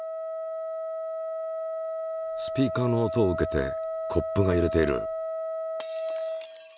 スピーカーの音を受けてコップがゆれている。